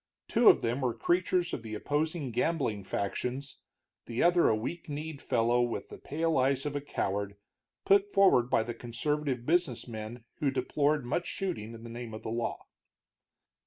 Two of them were creatures of the opposing gambling factions, the other a weak kneed fellow with the pale eyes of a coward, put forward by the conservative business men who deplored much shooting in the name of the law.